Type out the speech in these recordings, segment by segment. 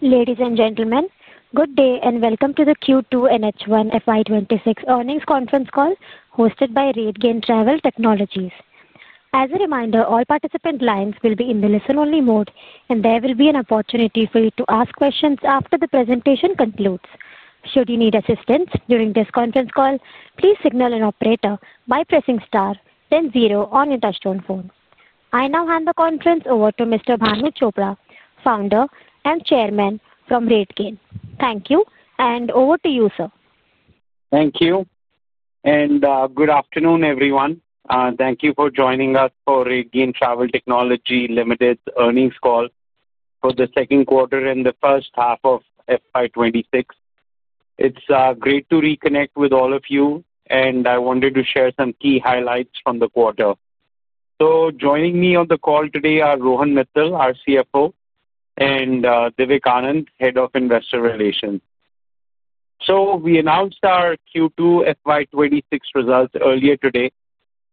Ladies and gentlemen, good day and Welcome to the Q2 and H1 FY 2026 earnings conference call hosted by RateGain Travel Technologies. As a reminder, all participant lines will be in the listen-only mode, and there will be an opportunity for you to ask questions after the presentation concludes. Should you need assistance during this conference call, please signal an operator by pressing star then 0 on your touchstone phone. I now hand the conference over to Mr. Bhanu Chopra, Founder and Chairman from RateGain. Thank you, and over to you, sir. Thank you, and good afternoon, everyone. Thank you for joining us for RateGain Travel Technologies Limited earnings call for the second quarter and the first half of FY 2026. It's great to reconnect with all of you, and I wanted to share some key highlights from the quarter. Joining me on the call today are Rohan Mittal, our CFO, and Divik Anand, Head of Investor Relations. We announced our Q2 FY 2026 results earlier today,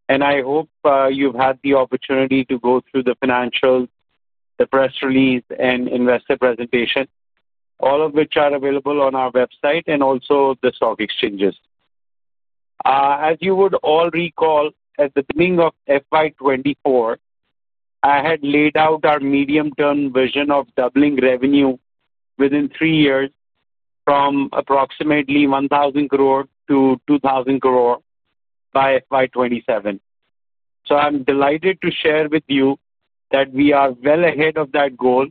and I hope you've had the opportunity to go through the financials, the press release, and investor presentation, all of which are available on our website and also the stock exchanges. As you would all recall, at the beginning of FY 2024, I had laid out our medium-term vision of doubling revenue within three years from approximately 1,000 crore - 2,000 crore by FY 2027. I'm delighted to share with you that we are well ahead of that goal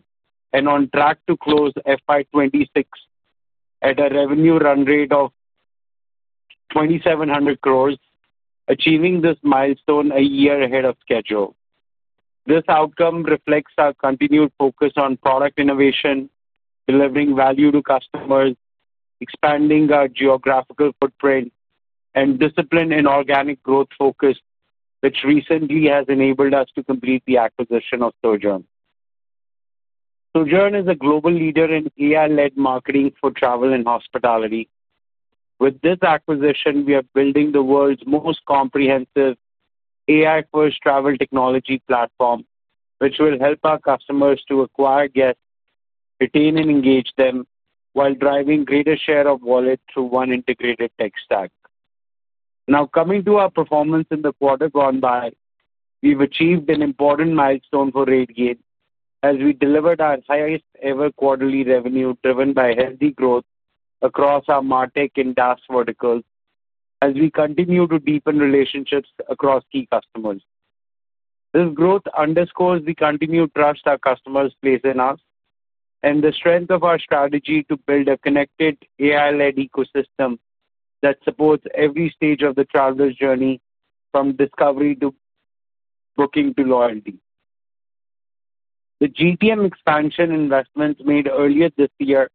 and on track to close FY 2026 at a revenue run rate of 2,700 crore, achieving this milestone a year ahead of schedule. This outcome reflects our continued focus on product innovation, delivering value to customers, expanding our geographical footprint, and disciplined inorganic growth focus, which recently has enabled us to complete the acquisition of Sojern. Sojern is a global leader in AI-led marketing for travel and hospitality. With this acquisition, we are building the world's most comprehensive AI-first travel technology platform, which will help our customers to acquire guests, retain, and engage them while driving a greater share of wallet through one integrated tech-stack. Now, coming to our performance in the quarter gone by, we've achieved an important milestone for RateGain as we delivered our highest-ever quarterly revenue driven by healthy growth across our MarTech and DaaS verticals as we continue to deepen relationships across key customers. This growth underscores the continued trust our customers place in us and the strength of our strategy to build a connected AI-led ecosystem that supports every stage of the traveler's journey from discovery to booking to loyalty. The GTM expansion investments made earlier this year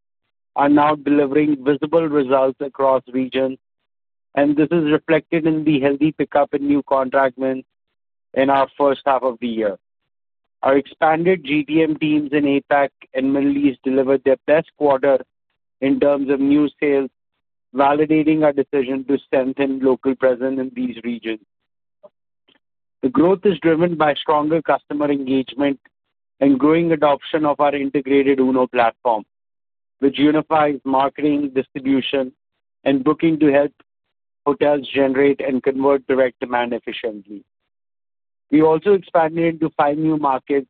are now delivering visible results across regions, and this is reflected in the healthy pickup in new contractments in our first half of the year. Our expanded GTM teams in APAC and the Middle East delivered their best quarter in terms of new sales, validating our decision to strengthen local presence in these regions. The growth is driven by stronger customer engagement and growing adoption of our integrated Uno Platform, which unifies marketing, distribution, and booking to help hotels generate and convert direct demand efficiently. We also expanded into five new markets: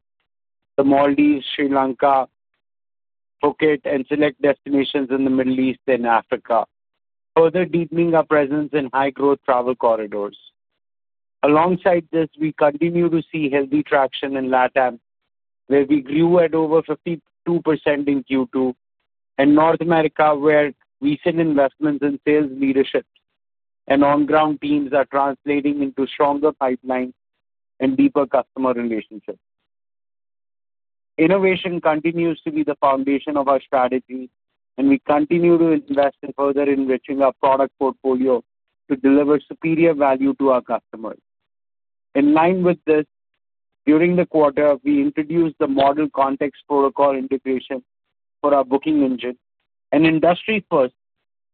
The Maldives, Sri Lanka, Phuket, and select destinations in the Middle East and Africa, further deepening our presence in high-growth travel corridors. Alongside this, we continue to see healthy traction in LATAM, where we grew at over 52% in Q2, and North America, where recent investments in sales leadership and on-ground teams are translating into stronger pipelines and deeper customer relationships. Innovation continues to be the foundation of our strategy, and we continue to invest in further enriching our product portfolio to deliver superior value to our customers. In line with this, during the quarter, we introduced the model context protocol integration for our booking engine, an industry-first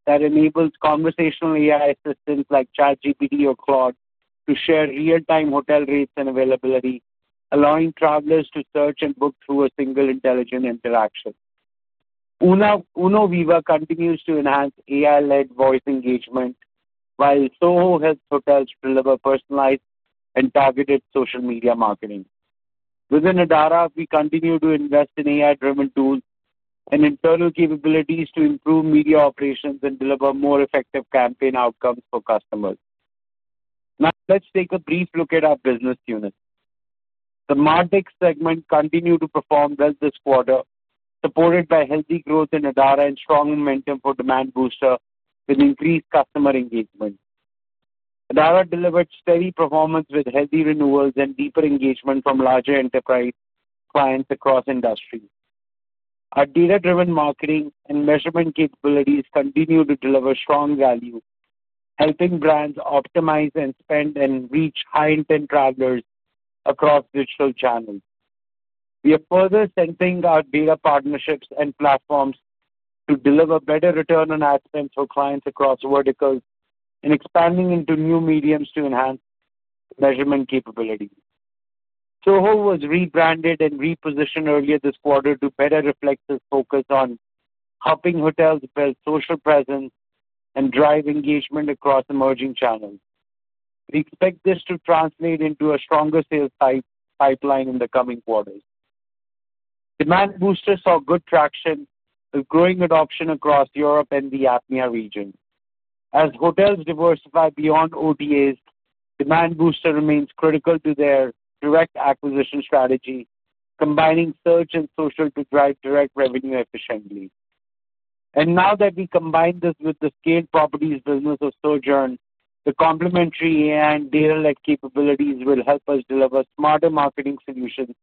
that enables conversational AI assistants like ChatGPT or Claude to share real-time hotel rates and availability, allowing travelers to search and book through a single intelligent interaction. UNO VIVA continues to enhance AI-led voice engagement, while Soho Health Hotels deliver personalized and targeted social media marketing. Within Adara, we continue to invest in AI-driven tools and internal capabilities to improve media operations and deliver more effective campaign outcomes for customers. Now, let's take a brief look at our business units. The MarTech segment continued to perform well this quarter, supported by healthy growth in Adara and strong momentum for Demand Booster with increased customer engagement. Adara delivered steady performance with healthy renewals and deeper engagement from larger enterprise clients across industries. Our data-driven marketing and measurement capabilities continue to deliver strong value, helping brands optimize and spend and reach high-intent travelers across digital channels. We are further strengthening our data partnerships and platforms to deliver better return on ad spend for clients across verticals and expanding into new mediums to enhance measurement capability. Soho was rebranded and repositioned earlier this quarter to better reflect this focus on helping hotels build social presence and drive engagement across emerging channels. We expect this to translate into a stronger sales pipeline in the coming quarters. Demand Booster saw good traction with growing adoption across Europe and the APAC region. As hotels diversify beyond OTAs, Demand Booster remains critical to their direct acquisition strategy, combining search and social to drive direct revenue efficiently. Now that we combine this with the scaled properties business of Sojern, the complementary AI and data-led capabilities will help us deliver smarter marketing solutions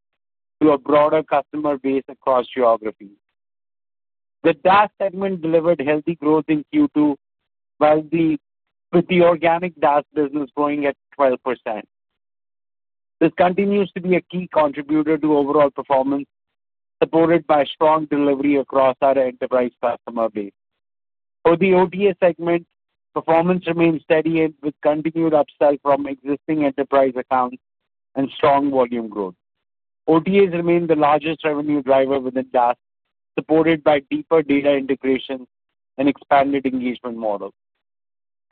to a broader customer base across geographies. The DaaS segment delivered healthy growth in Q2 with the organic DaaS business growing at 12%. This continues to be a key contributor to overall performance, supported by strong delivery across our enterprise customer base. For the OTA segment, performance remains steady with continued upsell from existing enterprise accounts and strong volume growth. OTAs remain the largest revenue driver within DaaS, supported by deeper data integration and expanded engagement models.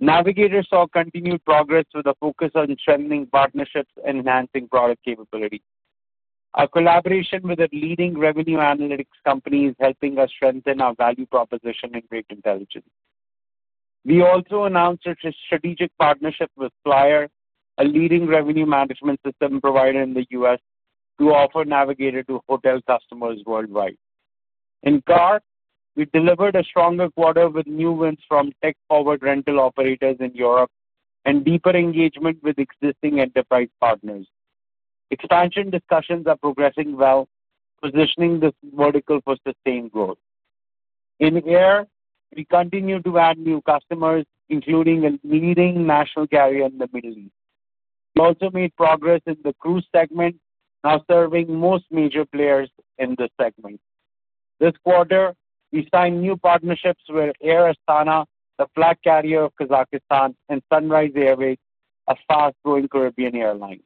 Navigator saw continued progress with a focus on strengthening partnerships and enhancing product capability. Our collaboration with a leading revenue analytics company is helping us strengthen our value proposition in rate intelligence. We also announced a strategic partnership with FLYR, a leading revenue management system provider in the U.S., to offer Navigator to hotel customers worldwide. In car, we delivered a stronger quarter with new wins from tech-powered rental operators in Europe and deeper engagement with existing enterprise partners. Expansion discussions are progressing well, positioning this vertical for sustained growth. In air, we continue to add new customers, including a leading national carrier in the Middle East. We also made progress in the cruise segment, now serving most major players in this segment. This quarter, we signed new partnerships with Air Astana, the flag carrier of Kazakhstan, and Sunrise Airways, a fast-growing Caribbean airline.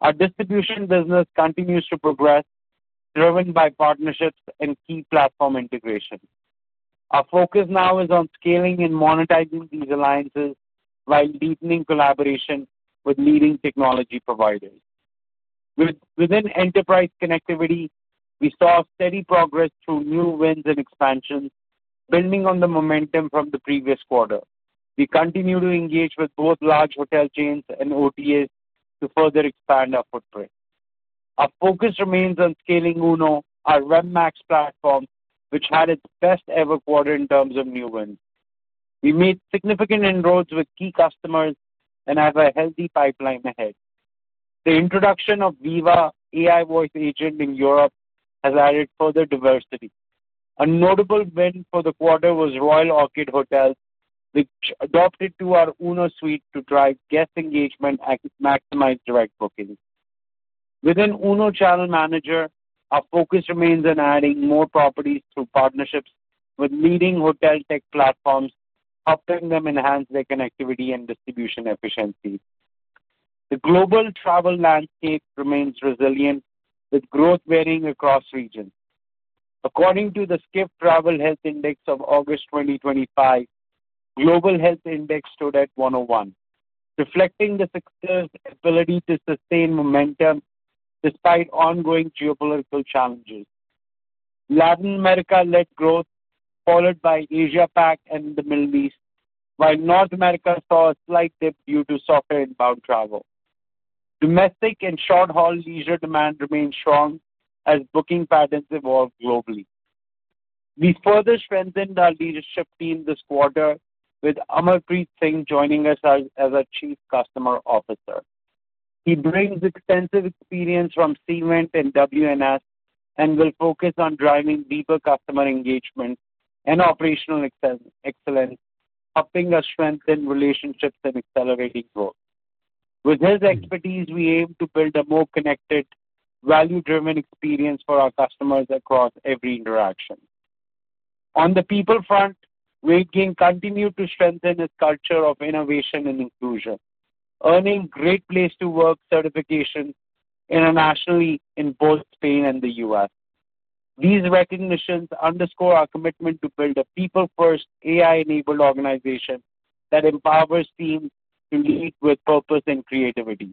Our distribution business continues to progress, driven by partnerships and key platform integration. Our focus now is on scaling and monetizing these alliances while deepening collaboration with leading technology providers. Within enterprise connectivity, we saw steady progress through new wins and expansions, building on the momentum from the previous quarter. We continue to engage with both large hotel chains and OTAs to further expand our footprint. Our focus remains on scaling UNO, our WebMax Platform, which had its best-ever quarter in terms of new wins. We made significant inroads with key customers and have a healthy pipeline ahead. The introduction of Viva, AI voice agent in Europe, has added further diversity. A notable win for the quarter was Royal Orchid Hotels, which adopted our UNO suite to drive guest engagement and maximize direct booking. Within UNO Channel Manager, our focus remains on adding more properties through partnerships with leading hotel tech platforms, helping them enhance their connectivity and distribution efficiency. The global travel landscape remains resilient, with growth varying across regions. According to the Skift Travel Health Index of August 2025, global health index stood at 101, reflecting the sector's ability to sustain momentum despite ongoing geopolitical challenges. Latin America-led growth, followed by Asia-Pac and the Middle East, while North America saw a slight dip due to softer inbound travel. Domestic and short-haul leisure demand remains strong as booking patterns evolve globally. We further strengthened our leadership team this quarter, with Amar Preet Singh joining us as our Chief Customer Officer. He brings extensive experience from Siemens and WNS and will focus on driving deeper customer engagement and operational excellence, helping us strengthen relationships and accelerating growth. With his expertise, we aim to build a more connected, value-driven experience for our customers across every interaction. On the people front, RateGain continued to strengthen its culture of innovation and inclusion, earning Great Place to Work Certifications internationally in both Spain and the U.S.. These recognitions underscore our commitment to build a people-first, AI-enabled organization that empowers teams to lead with purpose and creativity.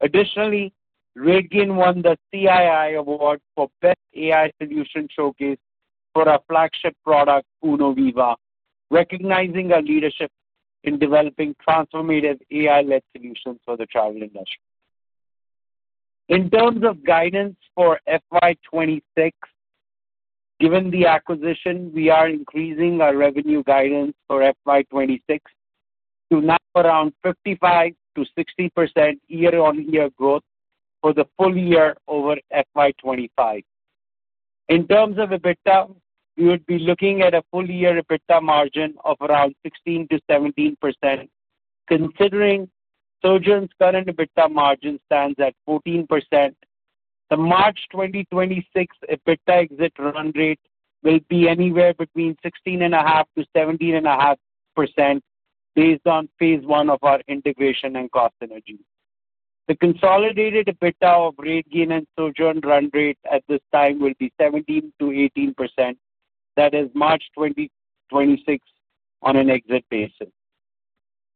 Additionally, RateGain won the CII Award for Best AI Solution Showcase for our flagship product, UNO VIVA, recognizing our leadership in developing transformative AI-led solutions for the travel industry. In terms of guidance for FY 2026, given the acquisition, we are increasing our revenue guidance for FY 2026 to now around 55%-60% year-on-year growth for the full year over FY 2025. In terms of EBITDA, we would be looking at a full-year EBITDA margin of around 16%-17%. Considering Sojern's current EBITDA margin stands at 14%, the March 2026 EBITDA exit run rate will be anywhere between 16.5%-17.5% based on phase one of our integration and cost synergy. The consolidated EBITDA of RateGain and Sojern run rate at this time will be 17%-18%, that is March 2026 on an exit basis.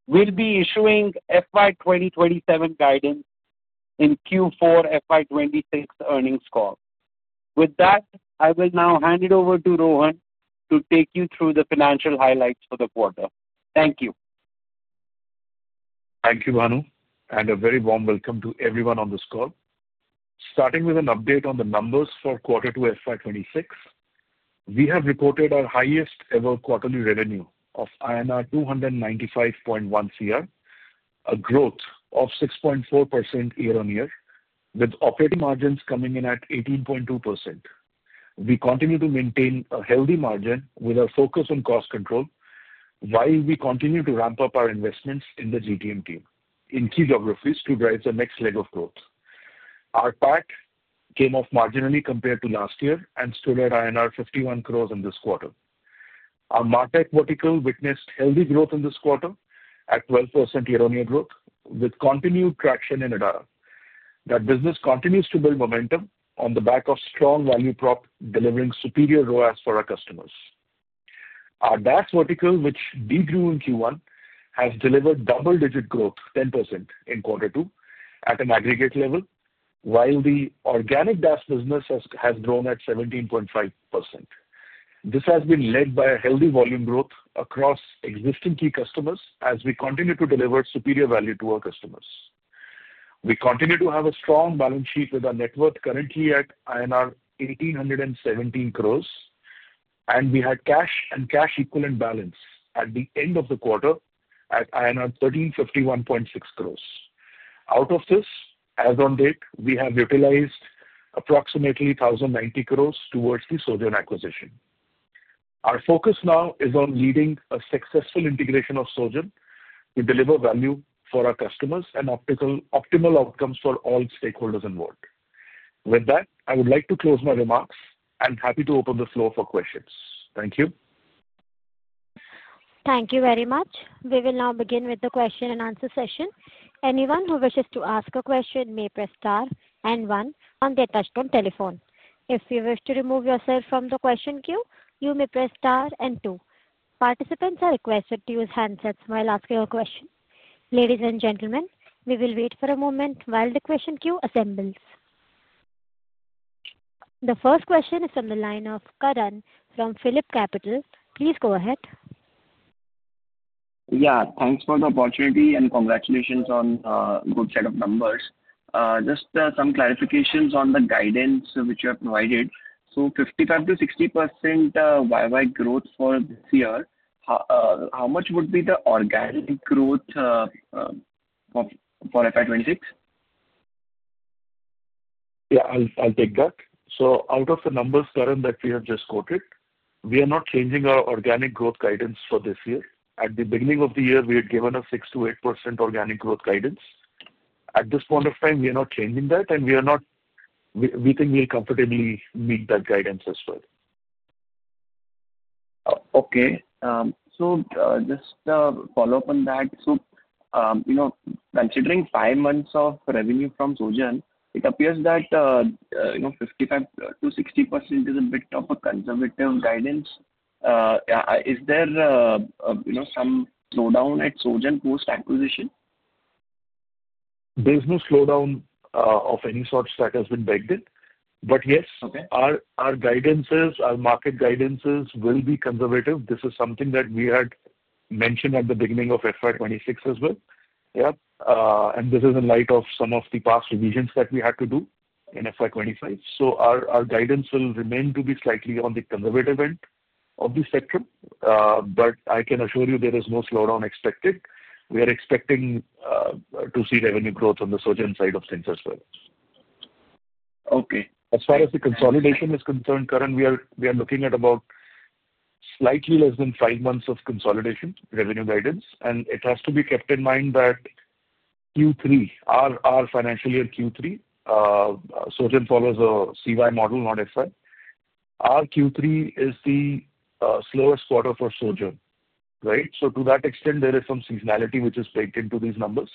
We'll be issuing FY 2027 guidance in Q4 FY 2026 earnings call. With that, I will now hand it over to Rohan to take you through the financial highlights for the quarter. Thank you. Thank you, Bhanu, and a very warm welcome to everyone on this call. Starting with an update on the numbers for quarter two FY 2026, we have reported our highest-ever quarterly revenue of INR 295.10 CR, a growth of 6.4% year-on-year, with operating margins coming in at 18.2%. We continue to maintain a healthy margin with our focus on cost control, while we continue to ramp up our investments in the GTM team in key geographies to drive the next leg of growth. Our PAT came off marginally compared to last year and stood at INR 51 crores in this quarter. Our MarTech vertical witnessed healthy growth in this quarter at 12% year-on-year growth, with continued traction in Adara. That business continues to build momentum on the back of strong value prop, delivering superior ROAS for our customers. Our DaaS vertical, which degrew in Q1, has delivered double-digit growth, 10% in quarter two at an aggregate level, while the organic DaaS business has grown at 17.5%. This has been led by a healthy volume growth across existing key customers as we continue to deliver superior value to our customers. We continue to have a strong balance sheet with our net worth currently at INR 1,817 crores, and we had cash and cash equivalent balance at the end of the quarter at INR 1,351.6 crores. Out of this, as of date, we have utilized approximately 1,090 crore towards the Sojern acquisition. Our focus now is on leading a successful integration of Sojern to deliver value for our customers and optimal outcomes for all stakeholders involved. With that, I would like to close my remarks and happy to open the floor for questions. Thank you. Thank you very much. We will now begin with the question and answer session. Anyone who wishes to ask a question may press star and one on their touchstone telephone. If you wish to remove yourself from the question queue, you may press star and two. Participants are requested to use handsets while asking a question. Ladies and gentlemen, we will wait for a moment while the question queue assembles. The first question is from the line of Karan from Phillip Capital. Please go ahead. Yeah, thanks for the opportunity and congratulations on a good set of numbers. Just some clarifications on the guidance which you have provided. 55%-60% YY growth for this year. How much would be the organic growth for FY 2026? Yeah, I'll take that. Out of the numbers, Karan, that we have just quoted, we are not changing our organic growth guidance for this year. At the beginning of the year, we had given a 6%-8% organic growth guidance. At this point of time, we are not changing that, and we think we'll comfortably meet that guidance as well. Okay. Just to follow up on that, considering five months of revenue from Sojern, it appears that 55%-60% is a bit of a conservative guidance. Is there some slowdown at Sojern post-acquisition? There's no slowdown of any sort that has been backed in. Yes, our market guidances will be conservative. This is something that we had mentioned at the beginning of FY 2026 as well. Yeah. This is in light of some of the past revisions that we had to do in FY 2025. Our guidance will remain to be slightly on the conservative end of the spectrum. I can assure you there is no slowdown expected. We are expecting to see revenue growth on the Sojern side of things as well. Okay. As far as the consolidation is concerned, Karan, we are looking at about slightly less than five months of consolidation revenue guidance. It has to be kept in mind that Q3, our financial year Q3, Sojern follows a CY model, not FY. Our Q3 is the slowest quarter for Sojern, right? To that extent, there is some seasonality which is baked into these numbers.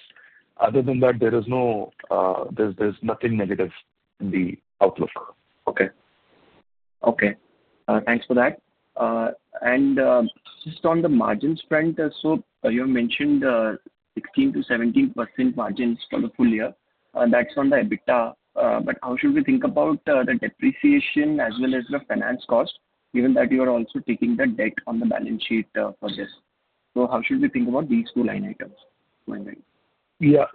Other than that, there is nothing negative in the outlook. Okay. Okay. Thanks for that. And just on the margins front, you mentioned 16%-17% margins for the full year. That's on the EBITDA. How should we think about the depreciation as well as the finance cost, given that you are also taking the debt on the balance sheet for this? How should we think about these two line items? Yeah.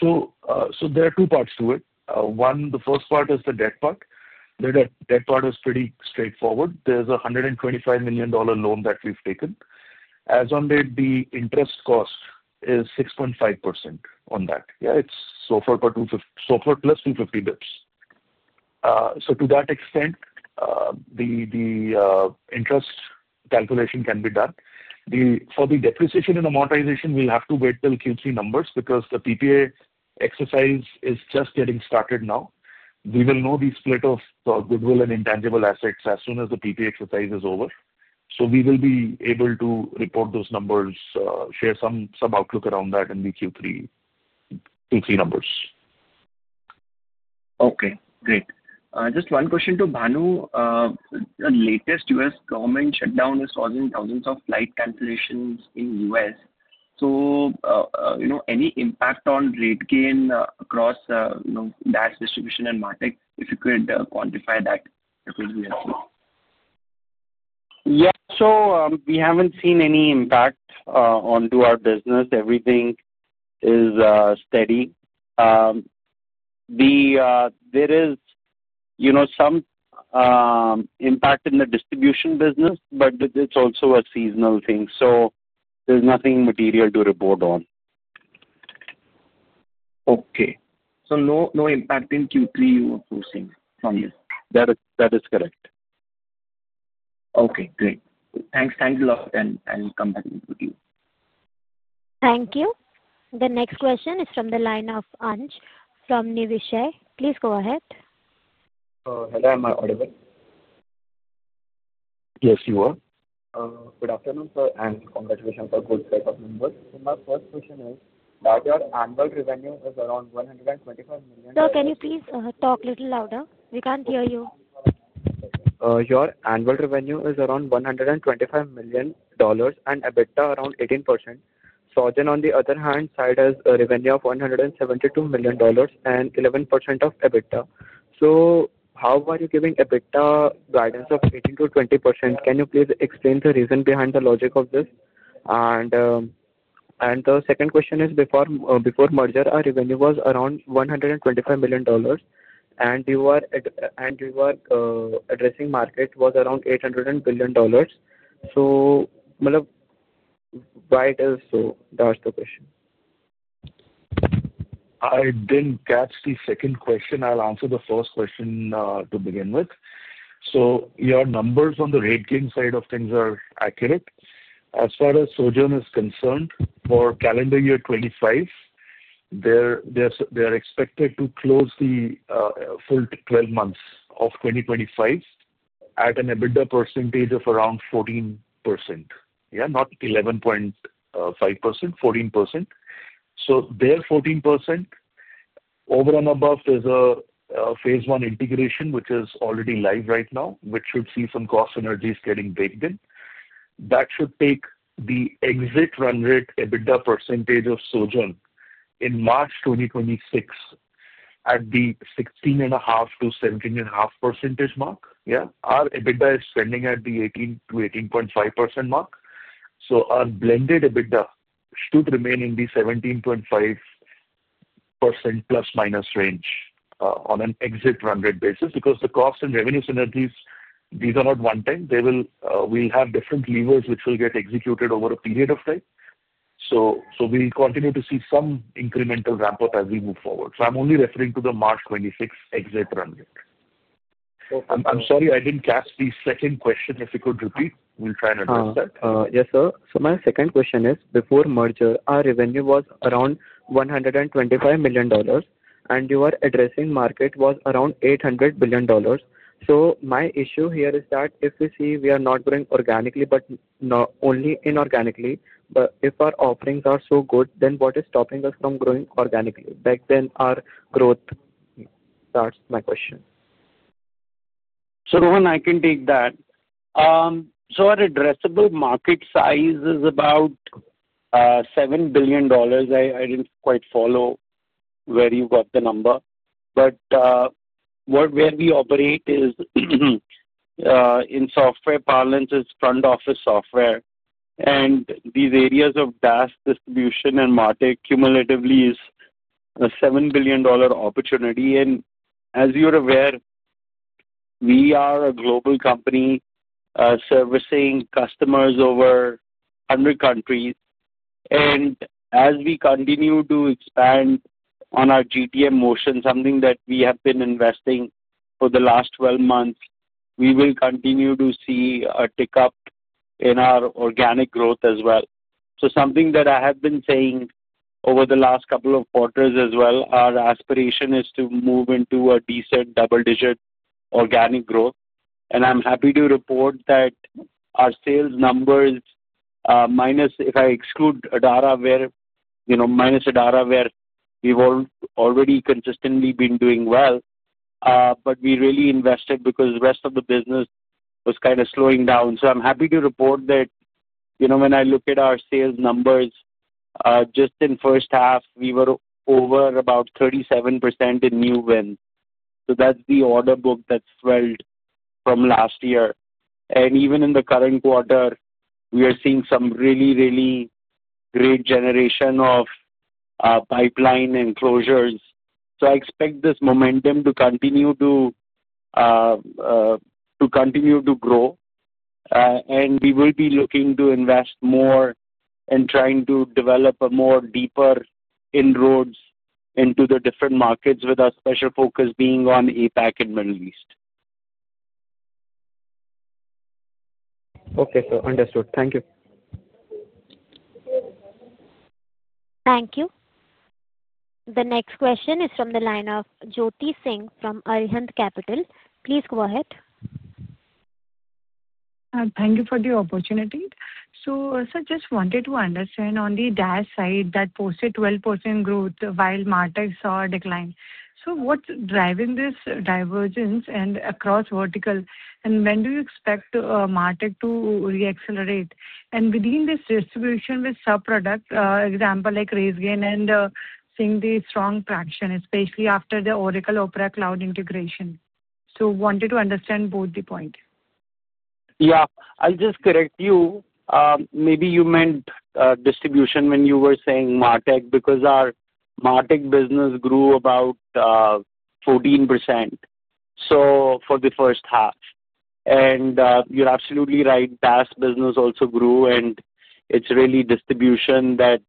There are two parts to it. One, the first part is the debt part. The debt part is pretty straightforward. There's a $125 million loan that we've taken. As of date, the interest cost is 6.5% on that. Yeah, it's so far +250 bps. To that extent, the interest calculation can be done. For the depreciation and amortization, we'll have to wait till Q3 numbers because the PPA exercise is just getting started now. We will know the split of goodwill and intangible assets as soon as the PPA exercise is over. So we will be able to report those numbers, share some outlook around that in the Q3 numbers. Okay. Great. Just one question to Bhanu. The latest U.S. government shutdown is causing thousands of flight cancellations in the U.S. So any impact on RateGain across distribution and MarTech, if you could quantify that, it would be helpful. Yeah. So we haven't seen any impact onto our business. Everything is steady. There is some impact in the distribution business, but it's also a seasonal thing. So there's nothing material to report on. Okay. So no impact in Q3 you were forcing from this. That is correct. Okay. Great. Thanks. Thank you a lot, and we'll come back with you. Thank you. The next question is from the line of Anj from Niveshaay. Please go ahead. Hello. Am I audible? Yes, you are. Good afternoon, sir, and congratulations on the good set of numbers. My first question is, your annual revenue is around $125 million. Sir, can you please talk a little louder? We can't hear you. Your annual revenue is around $125 million and EBITDA around 18%. Sojern, on the other hand, has a revenue of $172 million and 11% of EBITDA. How are you giving EBITDA guidance of 18%-20%? Can you please explain the reason behind the logic of this? The second question is, before merger, our revenue was around $125 million, and you were addressing market was around $800 billion. Why is it so? That's the question. I didn't catch the second question. I'll answer the first question to begin with. Your numbers on the RateGain side of things are accurate. As far as Sojern is concerned, for calendar year 2025, they are expected to close the full 12 months of 2025 at an EBITDA percentage of around 14%. Yeah, not 11.5%, 14%. They are 14%. Over and above, there's a phase one integration, which is already live right now, which should see some cost synergies getting baked in. That should take the exit run rate EBITDA percentage of Sojern in March 2026 at the 16.5%-17.5% mark. Yeah. Our EBITDA is trending at the 18%-18.5% mark. Our blended EBITDA should remain in the 17.5%± range on an exit run rate basis because the cost and revenue synergies, these are not one-time. We'll have different levers which will get executed over a period of time. We'll continue to see some incremental ramp-up as we move forward. I'm only referring to the March 2026 exit run rate. I'm sorry, I didn't catch the second question. If you could repeat, we'll try and address that. Yes, sir. My second question is, before merger, our revenue was around $125 million, and your addressable market was around $800 billion. My issue here is that if we see we are not growing organically, but only inorganically, if our offerings are so good, then what is stopping us from growing organically? Back then, our growth. That's my question. Rohan, I can take that. Our addressable market size is about $7 billion. I didn't quite follow where you got the number. Where we operate is in software parlance, it's front-office software. These areas of distribution and MarTech cumulatively is a $7 billion opportunity. As you're aware, we are a global company servicing customers over 100 countries. As we continue to expand on our GTM motion, something that we have been investing for the last 12 months, we will continue to see a tick-up in our organic growth as well. Something that I have been saying over the last couple of quarters as well, our aspiration is to move into a decent double-digit organic growth. I'm happy to report that our sales numbers, if I exclude Adara, minus Adara, where we've already consistently been doing well, but we really invested because the rest of the business was kind of slowing down. I'm happy to report that when I look at our sales numbers, just in the first half, we were over about 37% in new wins. That's the order book that's swelled from last year. Even in the current quarter, we are seeing some really, really great generation of pipeline and closures. I expect this momentum to continue to grow. We will be looking to invest more and trying to develop more deeper inroads into the different markets with our special focus being on APAC and Middle East. Okay. Understood. Thank you. Thank you. The next question is from the line of Jyoti Singh from Arihant Capital. Please go ahead. Thank you for the opportunity. Sir, just wanted to understand on the DaaS side that posted 12% growth while MarTech saw a decline. What's driving this divergence across vertical? When do you expect MarTech to reaccelerate? And within this distribution with sub-product, example like RateGain and seeing the strong traction, especially after the Oracle OPERA Cloud Integration. Wanted to understand both the point. Yeah. I'll just correct you. Maybe you meant distribution when you were saying MarTech because our MarTech business grew about 14% for the first half. You're absolutely right. DaaS business also grew, and it's really distribution that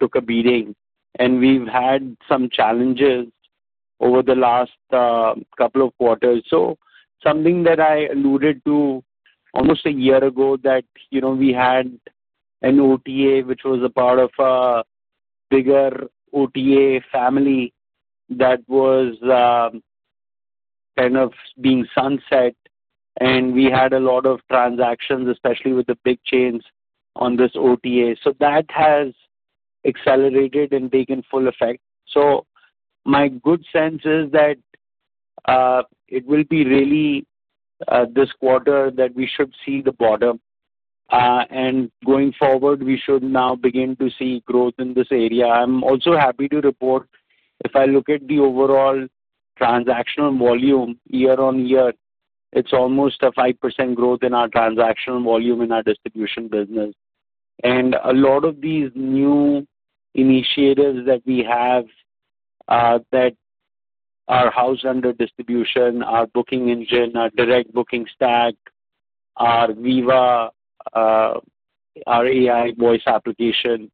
took a beating. We've had some challenges over the last couple of quarters. Something that I alluded to almost a year ago that we had an OTA, which was a part of a bigger OTA family that was kind of being sunset. We had a lot of transactions, especially with the big chains on this OTA. That has accelerated and taken full effect. My good sense is that it will be really this quarter that we should see the bottom. Going forward, we should now begin to see growth in this area. I'm also happy to report, if I look at the overall transactional volume year on year, it's almost a 5% growth in our transactional volume in our distribution business. A lot of these new initiatives that we have that are housed under distribution, our booking engine, our direct booking stack, our Viva, our AI voice application,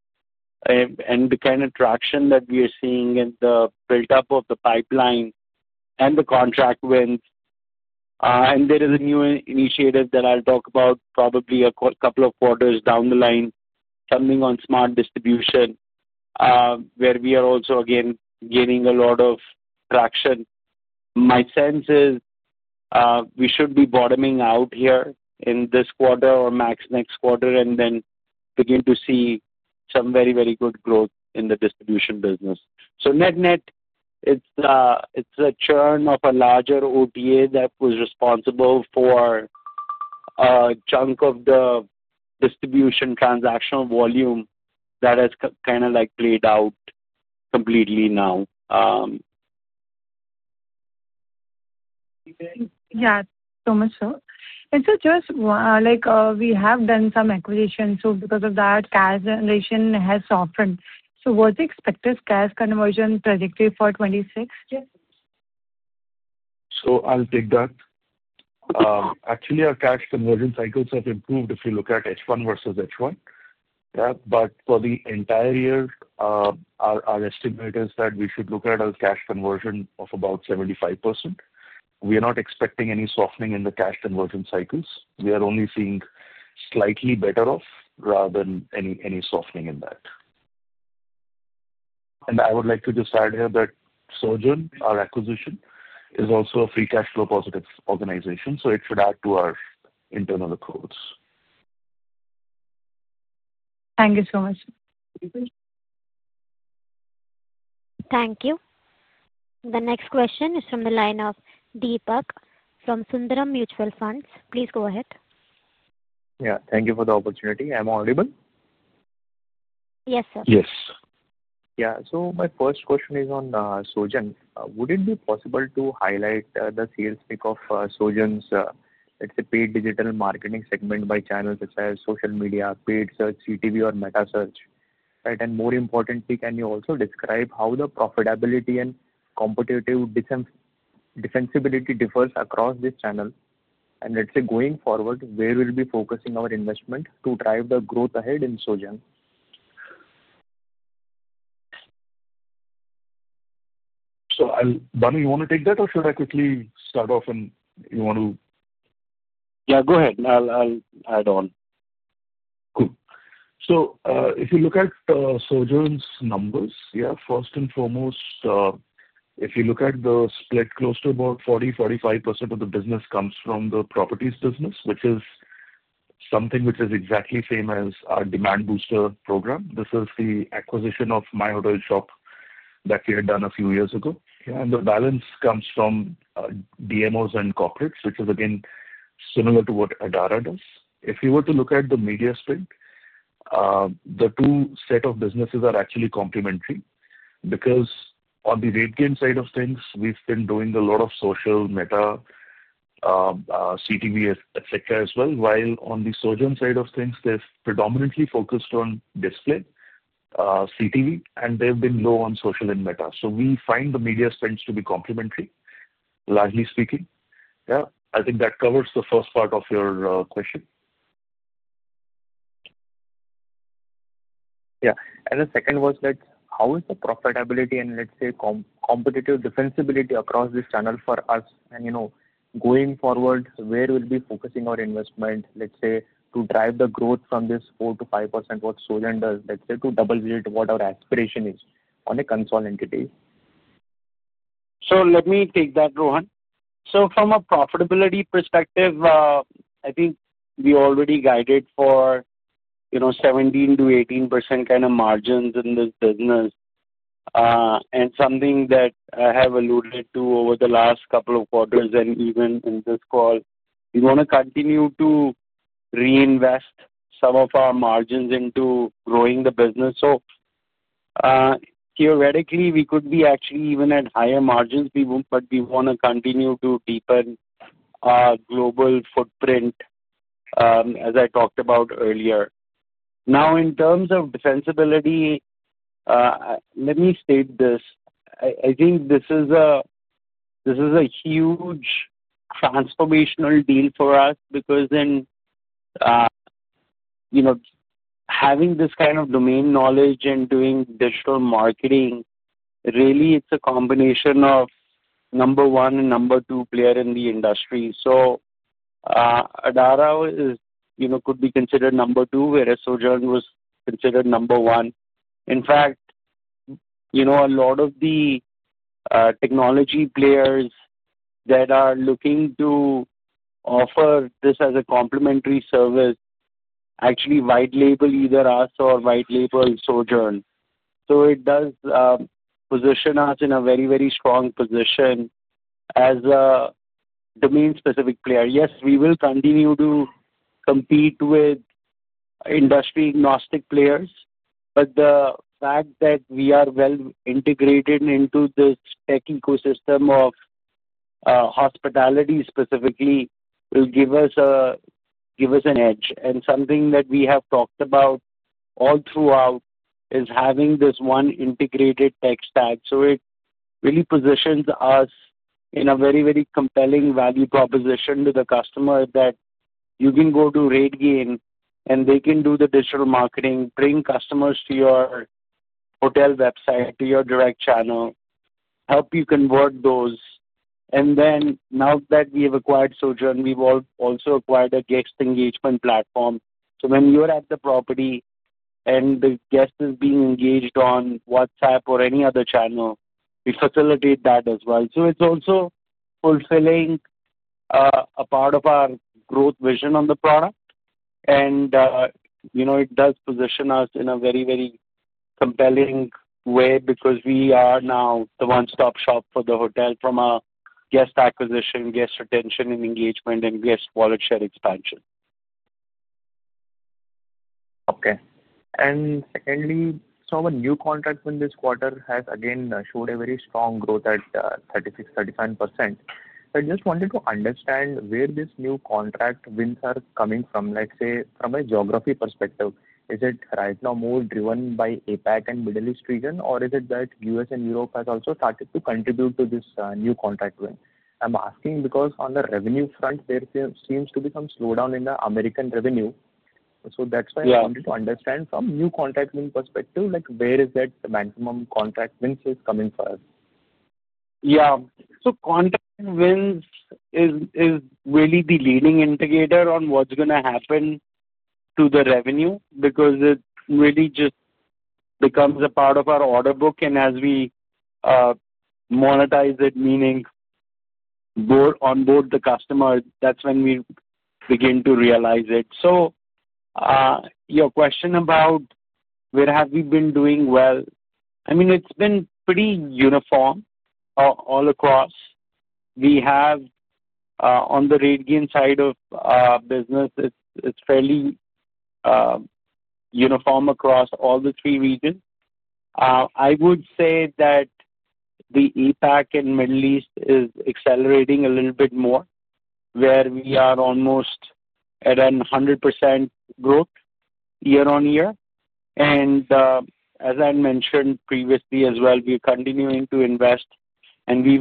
and the kind of traction that we are seeing in the build-up of the pipeline and the contract wins. There is a new initiative that I'll talk about probably a couple of quarters down the line, something on smart distribution, where we are also, again, gaining a lot of traction. My sense is we should be bottoming out here in this quarter or max next quarter and then begin to see some very, very good growth in the distribution business. Net-net, it's a churn of a larger OTA that was responsible for a chunk of the distribution transactional volume that has kind of played out completely now. Yeah. Thank you so much, sir. Joyce, we have done some acquisitions. Because of that, cash generation has softened. What's the expected cash conversion trajectory for 2026? I'll take that. Actually, our cash conversion cycles have improved if you look at H1 versus H1. For the entire year, our estimate is that we should look at our cash conversion of about 75%. We are not expecting any softening in the cash conversion cycles. We are only seeing slightly better off rather than any softening in that. I would like to just add here that Sojern, our acquisition, is also a free cash flow positive organization. It should add to our internal approach. Thank you so much. Thank you. The next question is from the line of Deepak from Sundaram Mutual Funds. Please go ahead. Yeah. Thank you for the opportunity. Am I audible? Yes, sir. Yes. Yeah. My first question is on Sojern. Would it be possible to highlight the sales peak of Sojern's, let's say, paid digital marketing segment by channels such as Social Media, paid search, CTV, or Metasearch? More importantly, can you also describe how the profitability and competitive defensibility differs across this channel? Let's say, going forward, where will we be focusing our investment to drive the growth ahead in Sojern? Bhanu, you want to take that, or should I quickly start off, and you want to? Yeah, go ahead. I'll add on. Cool. If you look at Sojern's numbers, first and foremost, if you look at the split, close to about 40%-45% of the business comes from the properties business, which is something which is exactly the same as our Demand Booster program. This is the acquisition of myhotelshop that we had done a few years ago. The balance comes from DMOs and corporates, which is, again, similar to what Adara does. If you were to look at the media split, the two sets of businesses are actually complementary because on the RateGain side of things, we've been doing a lot of Social, Meta, CTV, etc., as well. While on the Sojern side of things, they've predominantly focused on display, CTV, and they've been low on Social and Meta. We find the media splits to be complementary, largely speaking. Yeah. I think that covers the first part of your question. Yeah. The second was, how is the profitability and, let's say, competitive defensibility across this channel for us? Going forward, where will we be focusing our investment, let's say, to drive the growth from this 4%-5% what Sojern does, let's say, to double digit what our aspiration is on a consolidated day? Let me take that, Rohan. From a profitability perspective, I think we already guided for 17%-18% kind of margins in this business. Something that I have alluded to over the last couple of quarters and even in this call, we want to continue to reinvest some of our margins into growing the business. Theoretically, we could be actually even at higher margins, but we want to continue to deepen our global footprint, as I talked about earlier. Now, in terms of defensibility, let me state this. I think this is a huge transformational deal for us because then having this kind of domain knowledge and doing digital marketing, really, it is a combination of number one and number two player in the industry. Adara could be considered number two, whereas Sojern was considered number one. In fact, a lot of the technology players that are looking to offer this as a complementary service actually white-label either us or white-label Sojern. It does position us in a very, very strong position as a domain-specific player. Yes, we will continue to compete with industry-agnostic players, but the fact that we are well integrated into this tech ecosystem of hospitality specifically will give us an edge. Something that we have talked about all throughout is having this one integrated tech stack. It really positions us in a very, very compelling value proposition to the customer that you can go to RateGain and they can do the digital marketing, bring customers to your hotel website, to your direct channel, help you convert those. Now that we have acquired Sojern, we have also acquired a guest engagement platform. When you are at the property and the guest is being engaged on WhatsApp or any other channel, we facilitate that as well. It is also fulfilling a part of our growth vision on the product. It does position us in a very, very compelling way because we are now the one-stop shop for the hotel from our guest acquisition, guest retention and engagement, and guest wallet share expansion. Okay. Secondly, some of the new contracts in this quarter have again showed a very strong growth at 36%-37%. I just wanted to understand where this new contract wins are coming from, let's say, from a geography perspective. Is it right now more driven by APAC and Middle East region, or is it that U.S. and Europe has also started to contribute to this new contract win? I'm asking because on the revenue front, there seems to be some slowdown in the American revenue. That's why I wanted to understand from new contract win perspective, where is that maximum contract wins is coming for us? Yeah. Contract wins is really the leading indicator on what's going to happen to the revenue because it really just becomes a part of our order book. As we monetize it, meaning onboard the customer, that's when we begin to realize it. Your question about where have we been doing well? I mean, it's been pretty uniform all across. On the RateGain side of business, it's fairly uniform across all the three regions. I would say that the APAC and Middle East is accelerating a little bit more, where we are almost at 100% growth year on year. As I mentioned previously as well, we are continuing to invest, and we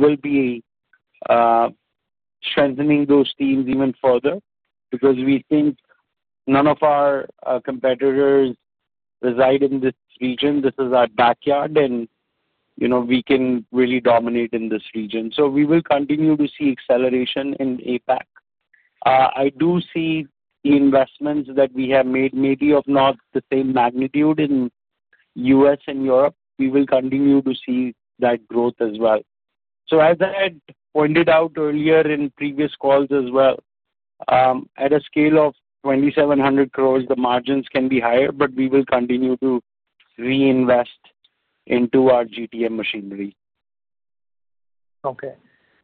will be strengthening those teams even further because we think none of our competitors reside in this region. This is our backyard, and we can really dominate in this region. We will continue to see acceleration in APAC. I do see the investments that we have made maybe of not the same magnitude in U.S. and Europe. We will continue to see that growth as well. As I pointed out earlier in previous calls as well, at a scale of 2,700 crores, the margins can be higher, but we will continue to reinvest into our GTM machinery. Okay.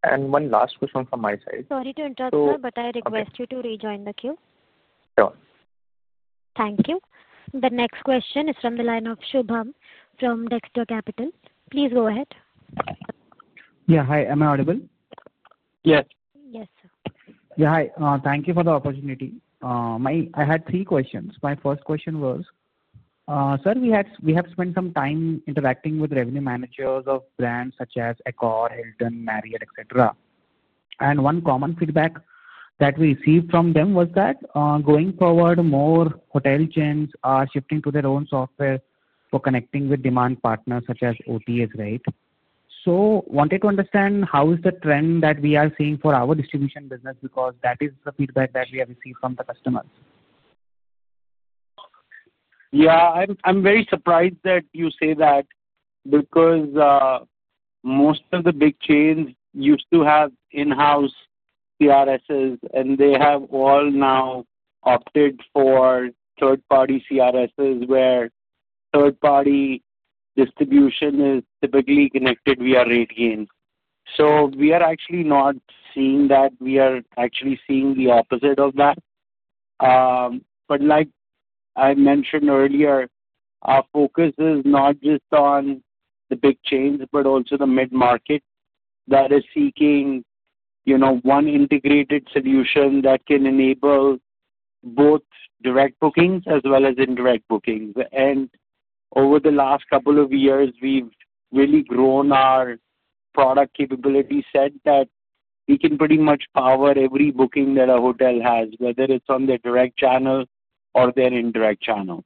One last question from my side. Sorry to interrupt, sir, but I request you to rejoin the queue. Sure. Thank you. The next question is from the line of Shubham from Dexter Capital. Please go ahead. Yeah. Hi. Am I audible? Yes. Yes, sir. Hi. Thank you for the opportunity. I had three questions. My first question was, sir, we have spent some time interacting with revenue managers of brands such as Accor, Hilton, Marriott, etc. One common feedback that we received from them was that going forward, more hotel chains are shifting to their own software for connecting with demand partners such as OTAs, right? I wanted to understand how is the trend that we are seeing for our distribution business because that is the feedback that we have received from the customers. Yeah. I'm very surprised that you say that because most of the big chains used to have in-house CRSs, and they have all now opted for third-party CRSs where third-party distribution is typically connected via RateGain. We are actually not seeing that. We are actually seeing the opposite of that. Like I mentioned earlier, our focus is not just on the big chains, but also the mid-market that is seeking one integrated solution that can enable both direct bookings as well as indirect bookings. Over the last couple of years, we've really grown our product capability set that we can pretty much power every booking that a hotel has, whether it's on their direct channel or their indirect channel.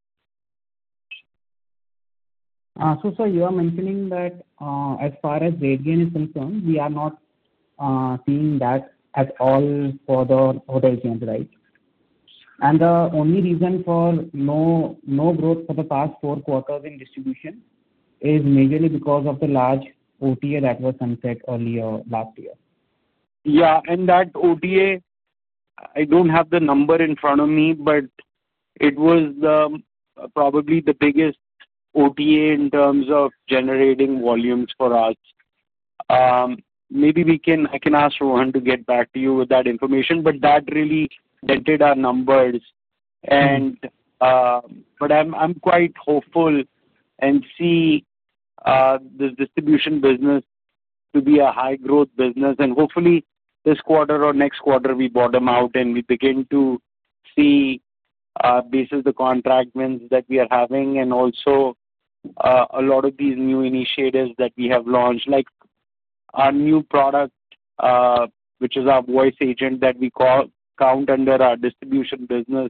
Sir, you are mentioning that as far as RateGain is concerned, we are not seeing that at all for the hotel chains, right? The only reason for no growth for the past four quarters in distribution is majorly because of the large OTA that was unset earlier last year. Yeah. That OTA, I do not have the number in front of me, but it was probably the biggest OTA in terms of generating volumes for us. Maybe I can ask Rohan to get back to you with that information, but that really dented our numbers. I am quite hopeful and see the distribution business to be a high-growth business. Hopefully, this quarter or next quarter, we bottom out and we begin to see basically the contract wins that we are having and also a lot of these new initiatives that we have launched, like our new product, which is our voice agent that we count under our distribution business.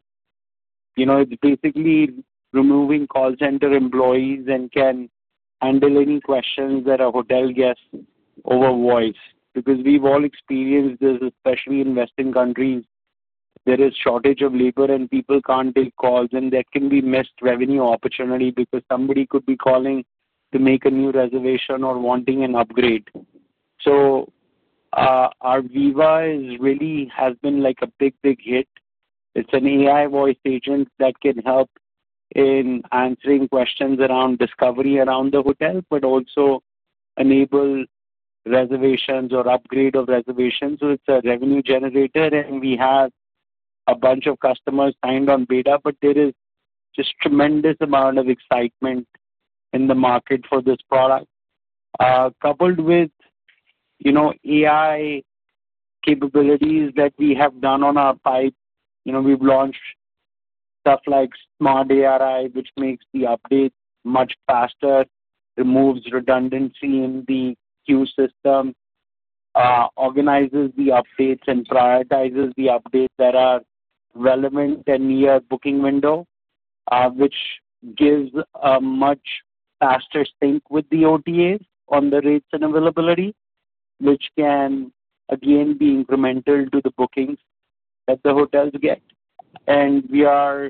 It is basically removing call center employees and can handle any questions that a hotel guest overvoices. Because we have all experienced this, especially in Western countries, there is a shortage of labor and people cannot take calls, and that can be a missed revenue opportunity because somebody could be calling to make a new reservation or wanting an upgrade. Our Viva has been like a big, big hit. It is an AI voice agent that can help in answering questions around discovery around the hotel, but also enable reservations or upgrade of reservations. It is a revenue generator, and we have a bunch of customers signed on beta, but there is just a tremendous amount of excitement in the market for this product. Coupled with AI capabilities that we have done on our pipe, we have launched stuff like Smart ARI, which makes the updates much faster, removes redundancy in the queue system, organizes the updates, and prioritizes the updates that are relevant in your booking window, which gives a much faster sync with the OTAs on the rates and availability, which can, again, be incremental to the bookings that the hotels get. We are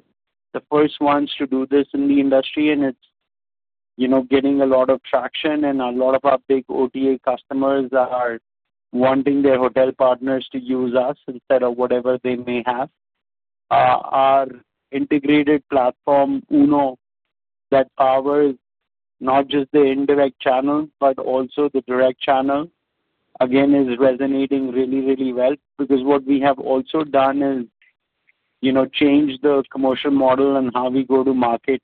the first ones to do this in the industry, and it is getting a lot of traction, and a lot of our big OTA customers are wanting their hotel partners to use us instead of whatever they may have. Our integrated platform, UNO, that powers not just the indirect channel, but also the direct channel, again, is resonating really, really well because what we have also done is changed the commercial model and how we go to market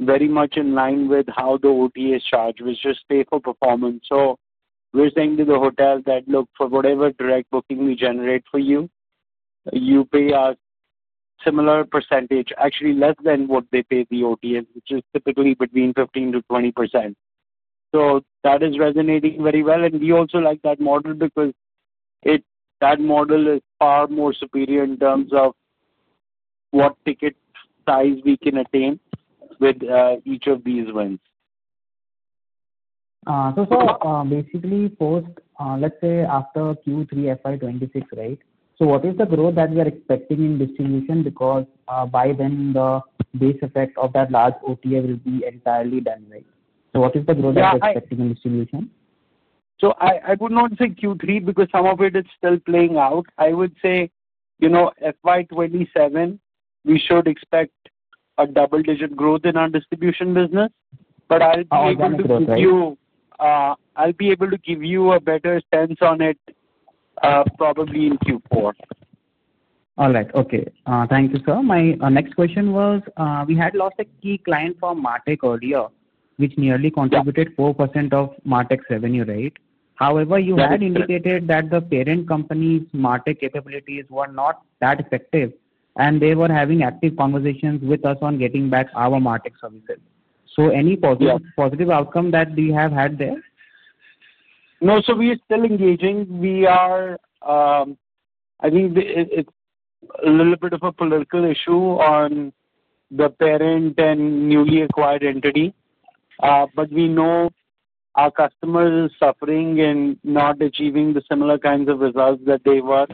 very much in line with how the OTAs charge, which is pay for performance. We are saying to the hotel that, "Look, for whatever direct booking we generate for you, you pay us a similar percentage, actually less than what they pay the OTA, which is typically between 15%-20%." That is resonating very well. We also like that model because that model is far more superior in terms of what ticket size we can attain with each of these wins. Sir, basically, post, let's say, after Q3 FY 2026, right? What is the growth that we are expecting in distribution? Because by then, the base effect of that large OTA will be entirely done, right? What is the growth that we are expecting in distribution? I would not say Q3 because some of it is still playing out. I would say FY 2027, we should expect a double-digit growth in our distribution business. I will be able to give you a better sense on it probably in Q4. All right. Okay. Thank you, sir. My next question was, we had lost a key client for MarTech earlier, which nearly contributed 4% of MarTech's revenue, right? However, you had indicated that the parent company's MarTech capabilities were not that effective, and they were having active conversations with us on getting back our MarTech services. Any positive outcome that we have had there? No. We are still engaging. I think it's a little bit of a political issue on the parent and newly acquired entity. But we know our customers are suffering and not achieving the similar kinds of results that they were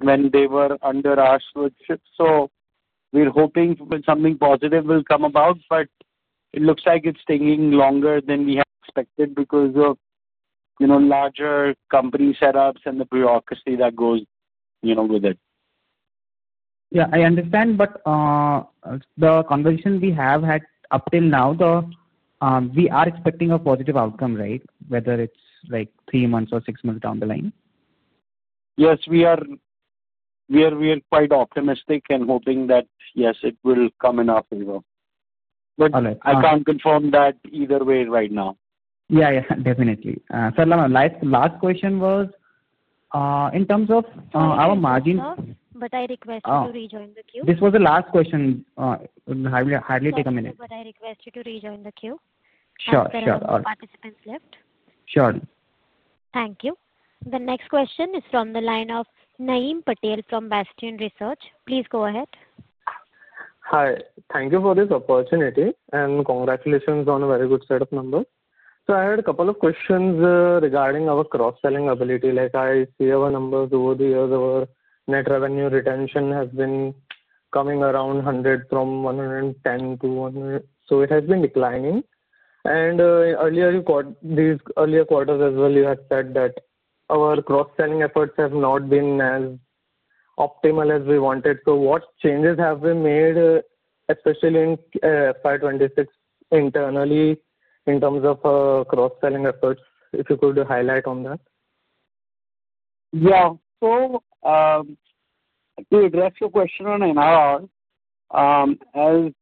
when they were under our stewardship. So we're hoping something positive will come about, but it looks like it's taking longer than we had expected because of larger company setups and the bureaucracy that goes with it. Yeah. I understand, but the conversation we have had up till now, we are expecting a positive outcome, right? Whether it's like three months or six months down the line. Yes. We are quite optimistic and hoping that, yes, it will come in our favor. But I can't confirm that either way right now. Yeah. Yes. Definitely. Sir, last question was in terms of our margins. But I request you to rejoin the queue. This was the last question. It'll hardly take a minute. I request you to rejoin the queue. Sure. Sure. All right. Participants left. Sure. Thank you. The next question is from the line of Naeem Patel from Bastion Research. Please go ahead. Hi. Thank you for this opportunity and congratulations on a very good set of numbers. I had a couple of questions regarding our cross-selling ability. Like I see our numbers over the years, our net revenue retention has been coming around 100 from 110 to 100. It has been declining. In earlier quarters as well, you had said that our cross-selling efforts have not been as optimal as we wanted. What changes have been made, especially in FY 2026 internally, in terms of cross-selling efforts? If you could highlight on that. Yeah. To address your question on NRR, as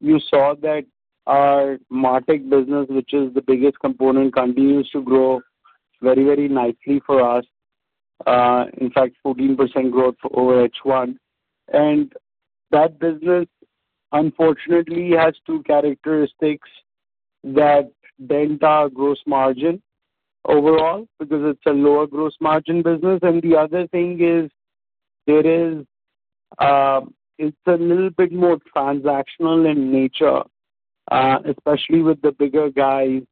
you saw that our MarTech business, which is the biggest component, continues to grow very, very nicely for us. In fact, 14% growth over H1. That business, unfortunately, has two characteristics that dent our gross margin overall because it is a lower gross margin business. The other thing is it is a little bit more transactional in nature, especially with the bigger guys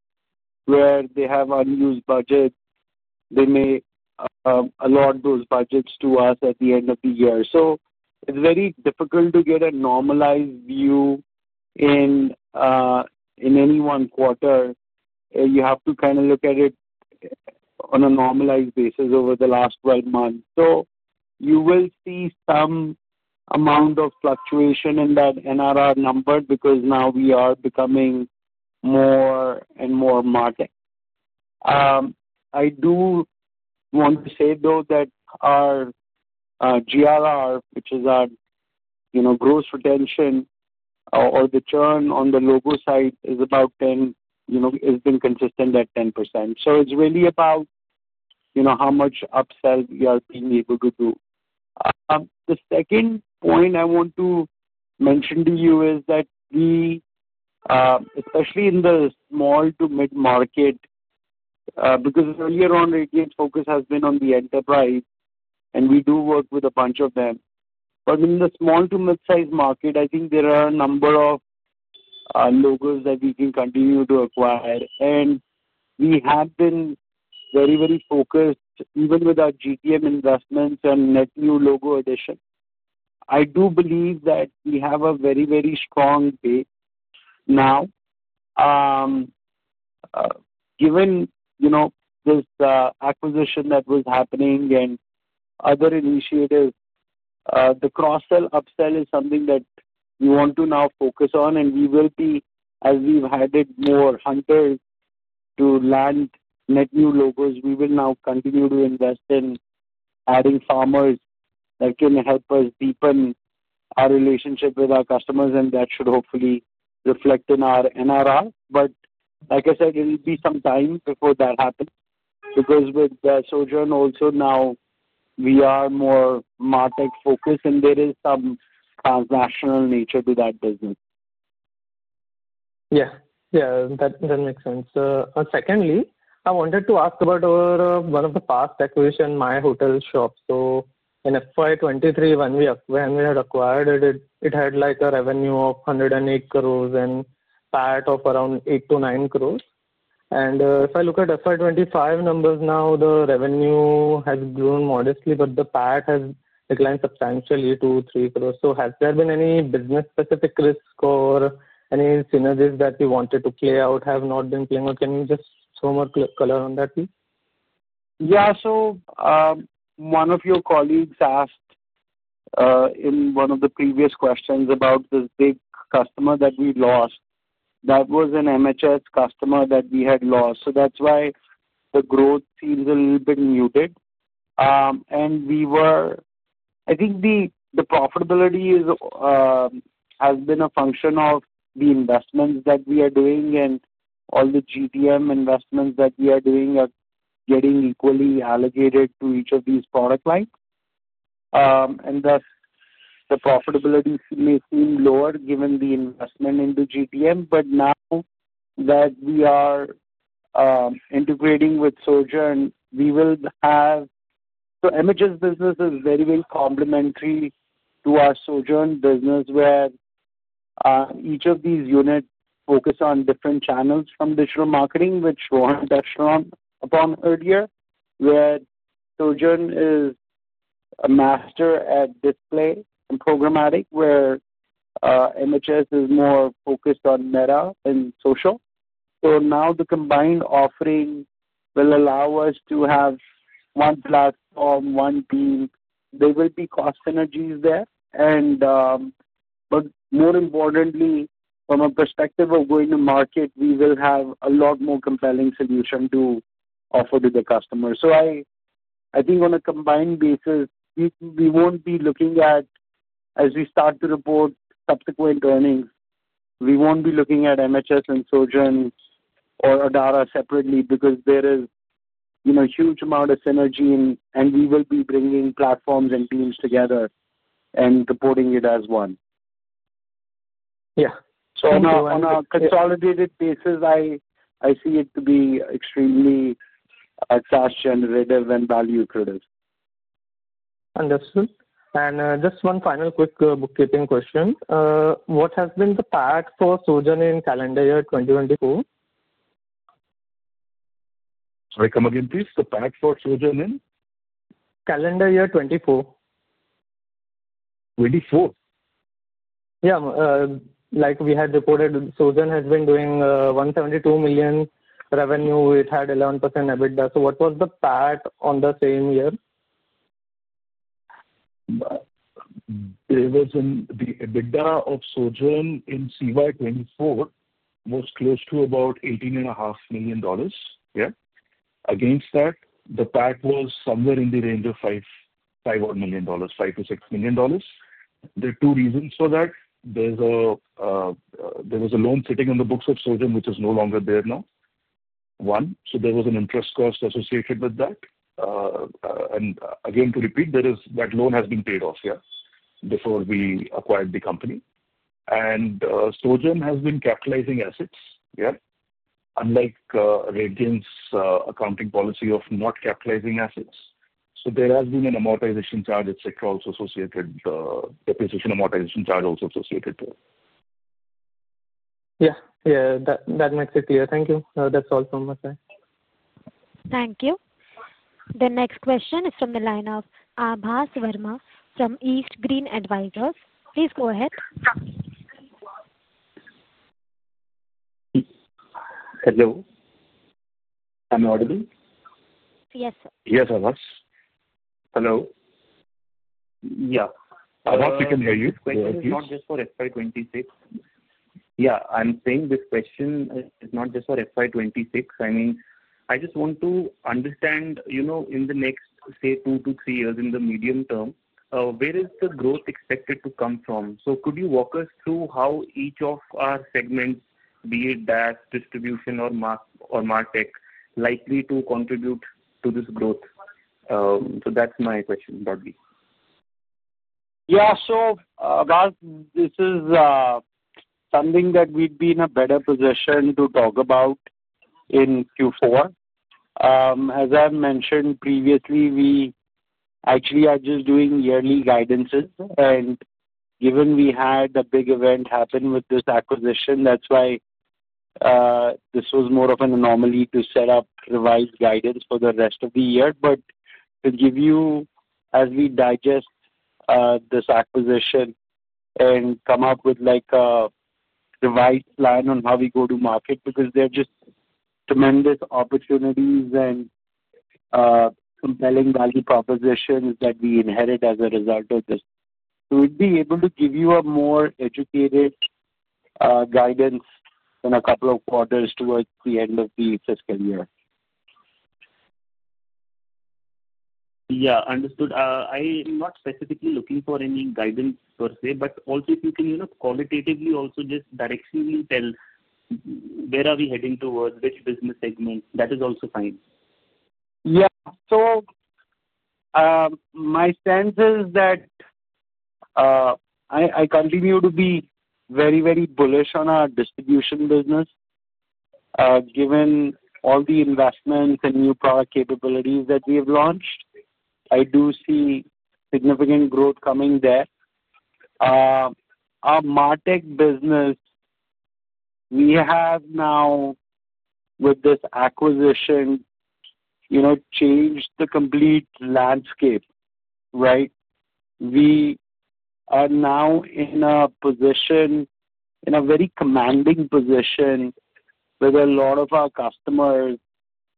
where they have unused budgets. They may allot those budgets to us at the end of the year. It is very difficult to get a normalized view in any one quarter. You have to kind of look at it on a normalized basis over the last 12 months. You will see some amount of fluctuation in that NRR number because now we are becoming more and more MarTech. I do want to say, though, that our GRR, which is our gross retention or the churn on the logo side, has been consistent at 10%. It is really about how much upsell we are being able to do. The second point I want to mention to you is that we, especially in the small to mid-market, because earlier on, RateGain's focus has been on the enterprise, and we do work with a bunch of them. In the small to mid-size market, I think there are a number of logos that we can continue to acquire. We have been very, very focused, even with our GTM investments and net new logo addition. I do believe that we have a very, very strong base now. Given this acquisition that was happening and other initiatives, the cross-sell upsell is something that we want to now focus on. We will be, as we've added more hunters to land net new logos, now continue to invest in adding farmers that can help us deepen our relationship with our customers, and that should hopefully reflect in our NRR. Like I said, it'll be some time before that happens because with Sojern also now, we are more MarTech-focused, and there is some transnational nature to that business. Yeah. Yeah. That makes sense. Secondly, I wanted to ask about one of the past acquisitions, myhotelshop. In FY 2023, when we had acquired it, it had a revenue of 108 crores and PAT of around 8 crores - 9 crores. If I look at FY 2025 numbers now, the revenue has grown modestly, but the PAT has declined substantially to 3 crores. Has there been any business-specific risk or any synergies that we wanted to play out have not been playing? Can you just throw more color on that, please? Yeah. One of your colleagues asked in one of the previous questions about this big customer that we lost. That was an MHS customer that we had lost. That is why the growth seems a little bit muted. I think the profitability has been a function of the investments that we are doing, and all the GTM investments that we are doing are getting equally allocated to each of these product lines. Thus, the profitability may seem lower given the investment into GTM. Now that we are integrating with Sojern, we will have the MHS business is very, very complementary to our Sojern business, where each of these units focus on different channels from digital marketing, which Rohan touched upon earlier, where Sojern is a master at display and programmatic, where MHS is more focused on Meta and Social. Now the combined offering will allow us to have one platform, one team. There will be cost synergies there. More importantly, from a perspective of going to market, we will have a lot more compelling solution to offer to the customer. I think on a combined basis, we won't be looking at, as we start to report subsequent earnings, we won't be looking at MHS and Sojern or Adara separately because there is a huge amount of synergy, and we will be bringing platforms and teams together and reporting it as one. Yeah. On a consolidated basis, I see it to be extremely cash-generative and value-creative. Understood. Just one final quick bookkeeping question. What has been the PAT for Sojern in calendar year 2024? Sorry. Come again, please? The PAT for Sojern in? Calendar year 2024. 2024? Yeah. Like we had reported, Sojern has been doing $172 million revenue. It had 11% EBITDA. What was the PAT on the same year? The EBITDA of Sojern in calendar year 2024 was close to about $18.5 million. Yeah. Against that, the PAT was somewhere in the range of $5 million-$6 million. There are two reasons for that. There was a loan sitting on the books of Sojern, which is no longer there now. One. There was an interest cost associated with that. To repeat, that loan has been paid off, yeah, before we acquired the company. And Sojern has been capitalizing assets, yeah, unlike RateGain's accounting policy of not capitalizing assets. There has been an amortization charge, etc., also associated, the position amortization charge also associated to it. Yeah. That makes it clear. Thank you. That's all from my side. Thank you. The next question is from the line of Aabhas Verma from East Green Advisors. Please go ahead. Hello. Can you hear me? Yes, sir. Yes, Aabhas. Hello. Yeah. Aabhas, we can hear you. It's not just for FY 2026. Yeah. I'm saying this question is not just for FY 2026. I mean, I just want to understand, in the next, say, two to three years, in the medium term, where is the growth expected to come from? Could you walk us through how each of our segments, be it DaaS, distribution, or MarTech, is likely to contribute to this growth? That's my question, broadly. Yeah. Aabhas, this is something that we'd be in a better position to talk about in Q4. As I mentioned previously, we actually are just doing yearly guidances. Given we had a big event happen with this acquisition, that's why this was more of an anomaly to set up revised guidance for the rest of the year. To give you, as we digest this acquisition and come up with a revised plan on how we go to market, because there are just tremendous opportunities and compelling value propositions that we inherit as a result of this, we'd be able to give you a more educated guidance in a couple of quarters towards the end of the fiscal year. Yeah. Understood. I'm not specifically looking for any guidance per se, but also, if you can qualitatively also just directly tell where are we heading towards, which business segment, that is also fine. Yeah. My sense is that I continue to be very, very bullish on our distribution business. Given all the investments and new product capabilities that we have launched, I do see significant growth coming there. Our MarTech business, we have now, with this acquisition, changed the complete landscape, right? We are now in a very commanding position with a lot of our customers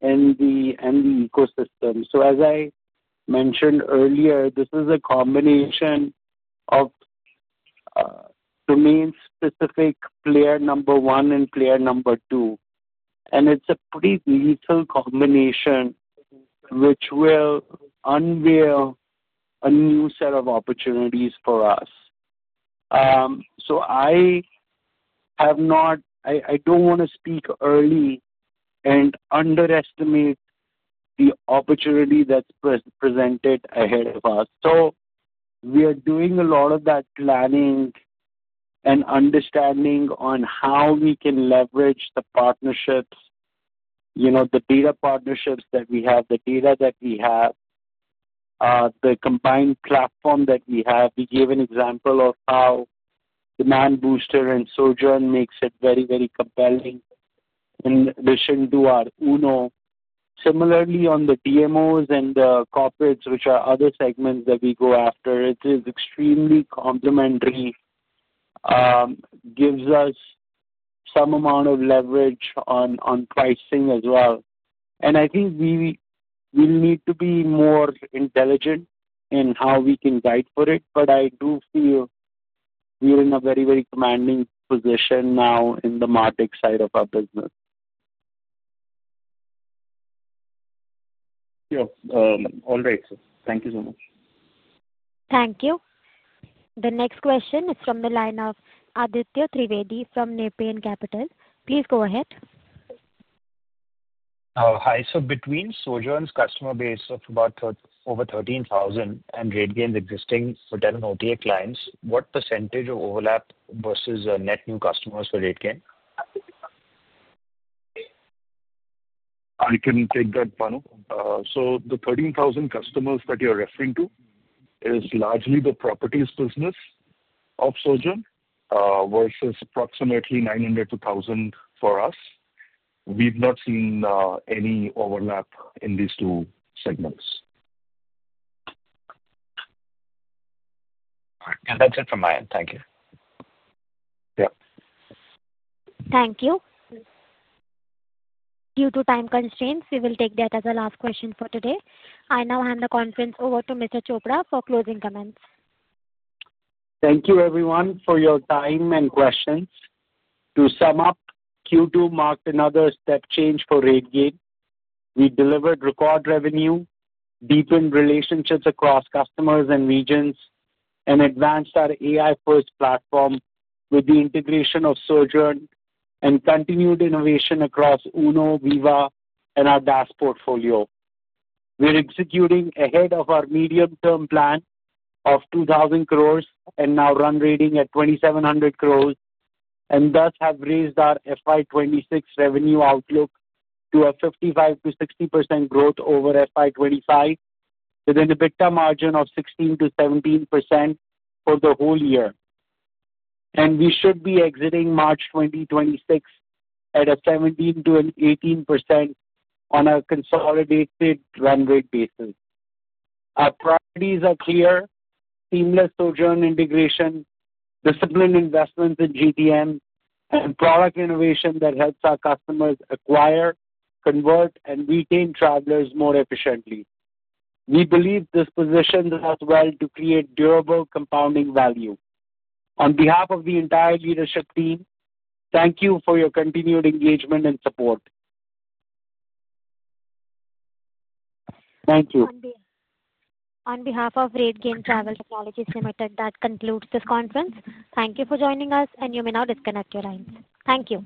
and the ecosystem. As I mentioned earlier, this is a combination of domain-specific player number one and player number two. It is a pretty lethal combination, which will unveil a new set of opportunities for us. I do not want to speak early and underestimate the opportunity that is presented ahead of us. We are doing a lot of that planning and understanding on how we can leverage the partnerships, the data partnerships that we have, the data that we have, the combined platform that we have. We gave an example of how Demand Booster and Sojern makes it very, very compelling in addition to our UNO. Similarly, on the DMOs and the corporates, which are other segments that we go after, it is extremely complementary, gives us some amount of leverage on pricing as well. I think we'll need to be more intelligent in how we can guide for it. I do feel we're in a very, very commanding position now in the MarTech side of our business. Yeah. All right. Thank you so much. Thank you. The next question is from the line of Aditya Trivedi from Nepean Capital. Please go ahead. Hi. Between Sojern's customer base of over 13,000 and RateGain's existing hotel and OTA clients, what percentage of overlap versus net new customers for RateGain? I can take that, Bhanu. The 13,000 customers that you're referring to is largely the properties business of Sojern versus approximately 900-1,000 for us. We've not seen any overlap in these two segments. All right. And that's it from my end. Thank you. Yeah. Thank you. Due to time constraints, we will take that as a last question for today. I now hand the conference over to Mr. Chopra for closing comments. Thank you, everyone, for your time and questions. To sum up, Q2 marked another step change for RateGain. We delivered record revenue, deepened relationships across customers and regions, and advanced our AI-first platform with the integration of Sojern and continued innovation across UNO, Viva, and our DaaS portfolio. We're executing ahead of our medium-term plan of 2,000 crores and now run rating at 2,700 crores, and thus have raised our FY 2026 revenue outlook to a 55%-60% growth over FY 2025, with an EBITDA margin of 16%-17% for the whole year. We should be exiting March 2026 at a 17%-18% on a consolidated run rate basis. Our priorities are clear: seamless Sojern integration, disciplined investments in GTM, and product innovation that helps our customers acquire, convert, and retain travelers more efficiently. We believe this positions us well to create durable compounding value. On behalf of the entire leadership team, thank you for your continued engagement and support. Thank you. On behalf of RateGain Travel Technologies, that concludes this conference. Thank you for joining us, and you may now disconnect your lines. Thank you.